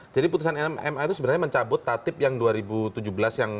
jadi keputusan ma itu sebenarnya mencabut tatib yang dua ribu tujuh belas yang